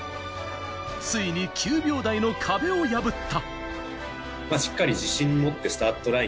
ついに９秒台の壁を破った。